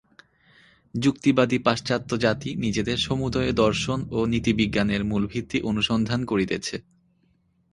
যুক্তিবাদী পাশ্চাত্যজাতি নিজেদের সমুদয় দর্শন ও নীতিবিজ্ঞানের মূলভিত্তি অনুসন্ধান করিতেছে।